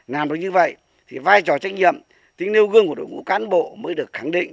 làm được như vậy thì vai trò trách nhiệm tính nêu gương của đội ngũ cán bộ mới được khẳng định